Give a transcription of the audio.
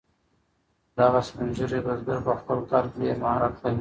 دغه سپین ږیری بزګر په خپل کار کې ډیر مهارت لري.